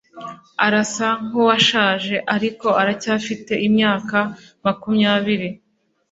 Arasa nkuwashaje ariko aracyafite imyaka makumyabiri